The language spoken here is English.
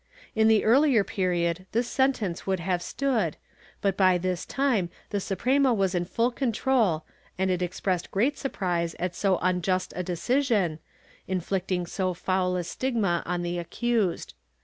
In the earher period this sentence would have stood, but by this time the Suprema was in full control and it expressed great surprise at so unjust a decision, inflicting so foul a stigma on the accused.